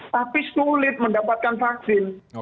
tapi sulit mendapatkan vaksin